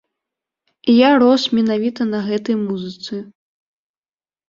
Я рос менавіта на гэтай музыцы.